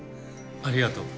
ありがとう。